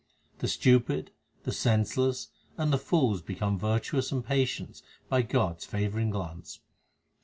The stupid, the senseless, and the fools become virtuous and patient by God s favouring glance.